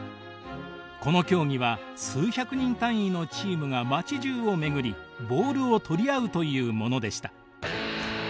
この競技は数百人単位のチームが街じゅうを巡りボールを取り合うというものでした。